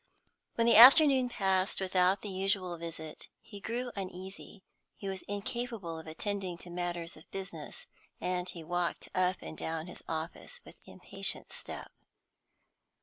When the afternoon passed without the usual visit, he grew uneasy; he was incapable of attending to matters of business, and walked up and down his office with impatient step.